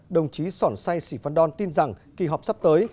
đồng chí sòn say sì phan đon tin rằng kỳ họp sắp tới